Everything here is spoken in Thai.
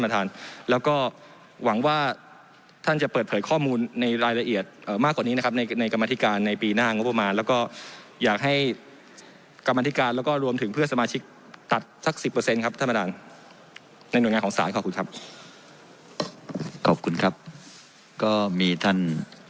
ถ้าคนนี้นะครับในกรรมธิการในปีหน้างบประมาณแล้วก็อยากให้กรรมธิการแล้วก็รวมถึงเพื่อนสมาชิกตัดสัก๑๐ครับธรรมดาลในหน่วยงานของสารขอบคุณครับขอบคุณครับก็มีท่าน